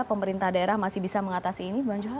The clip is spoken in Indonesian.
pemerintah daerah masih bisa mengatasi ini